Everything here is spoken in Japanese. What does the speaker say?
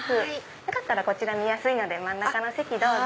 よかったらこちら見やすいので真ん中の席どうぞ。